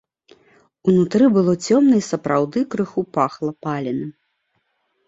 Унутры было цёмна і сапраўды крыху пахла паленым.